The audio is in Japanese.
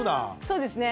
そうですね。